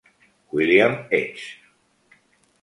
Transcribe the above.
William Hedges.